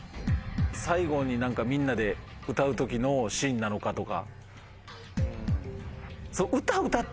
最後に何かみんなで歌う時のシーンなのかとか。